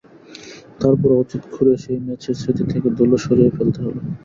তার পরও অতীত খুঁড়ে সেই ম্যাচের স্মৃতি থেকে ধুলো সরিয়ে ফেলতে হলো।